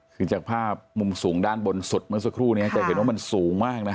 คือจากภาพมุมสูงด้านบนสุดเมื่อสักครู่นี้จะเห็นว่ามันสูงมากนะ